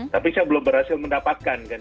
tapi saya belum berhasil mendapatkan kan